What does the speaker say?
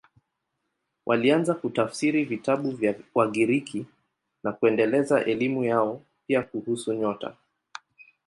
Walianza kutafsiri vitabu vya Wagiriki na kuendeleza elimu yao, pia kuhusu nyota.